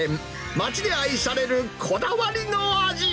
町で愛されるこだわりの味。